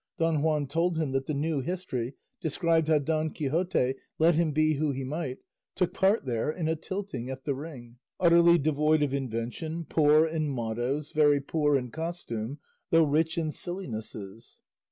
Don Juan told him that the new history described how Don Quixote, let him be who he might, took part there in a tilting at the ring, utterly devoid of invention, poor in mottoes, very poor in costume, though rich in sillinesses.